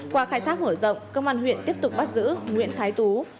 qua khai thác mở rộng công an huyện tiếp tục bắt giữ nguyễn thái tú